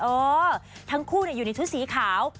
เออทั้งคู่อยู่ในชุดสีขาว